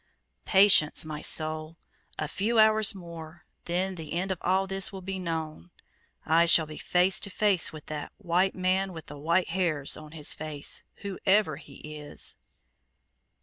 Patience, my soul! A few hours more, then the end of all this will be known! I shall be face to face with that "white man with the white hairs on his face, whoever he is!"